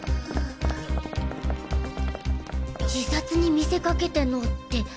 自殺に見せかけてのって。